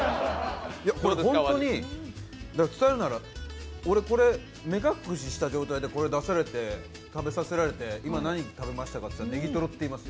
これ本当に伝えるなら、目隠しされた状態でこれ出されて食べさせられて、今何食べましたかって言われたらネギトロって言います。